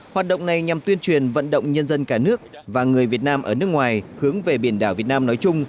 hoạt động này nhằm tuyên truyền vận động nhân dân cả nước và người việt nam ở nước ngoài hướng về biển đảo việt nam nói chung